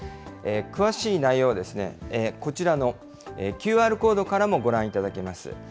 詳しい内容は、こちらのＱＲコードからもご覧いただけます。